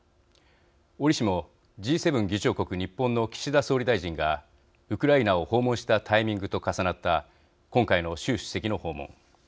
折しも、Ｇ７議長国日本の岸田総理大臣がウクライナを訪問したタイミングと重なった今回の習主席の訪問。